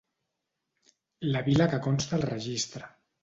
La vila que consta al registre.